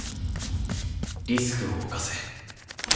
「リスクを冒せ」。